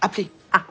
あっ。